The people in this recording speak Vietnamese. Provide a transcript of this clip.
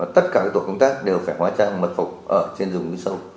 tất cả tổ công tác đều phải hóa trang mật phục ở trên rừng sâu